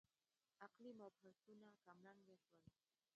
عقلي مبحثونه کمرنګه شول.